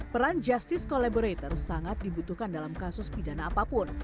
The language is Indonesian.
peran justice collaborator sangat dibutuhkan dalam kasus pidana apapun